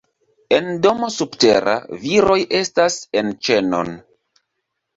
En domo subtera, viroj estas en ĉenon.